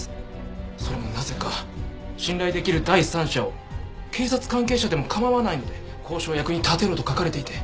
それもなぜか「信頼できる第三者を警察関係者でも構わないので交渉役に立てろ」と書かれていて。